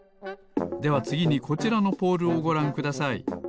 ではつぎにこちらのポールをごらんください。